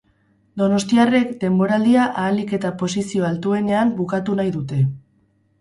Donostiarrek, denboraldia ahalik eta posizio altuenenan bukatu nahi dute.